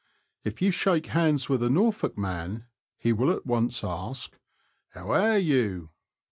If you shake hands with a Norfolk man, he will at once ask: "How airyu?"